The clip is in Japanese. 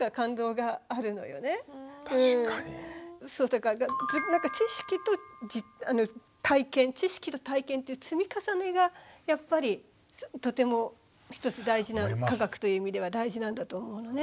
だから知識と体験知識と体験という積み重ねがやっぱりとてもひとつ大事な科学という意味では大事なんだと思うのね。